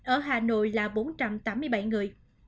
ở hà nội là bốn trăm tám mươi bảy người